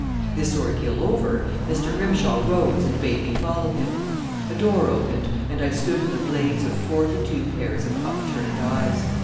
This ordeal over, Mr. Grimshaw rose and bade me follow him. A door opened, and I stood in the blaze of forty two pairs of upturned eyes.